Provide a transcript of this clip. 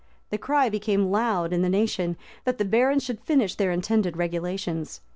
[*] The cry became loud in the nation, that the barons should finish their intended regulations.